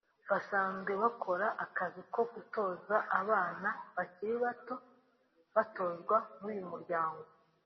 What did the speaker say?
basanzwe bakora akazi ko gutoza abana bakiri bato batozwa n’uyu muryango